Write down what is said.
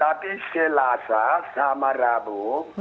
tapi selasa sama rabu